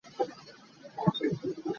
Mah rian hi cu kaa harh tuk.